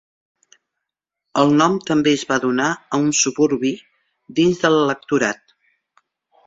El nom també es va donar a un suburbi dins de l'electorat.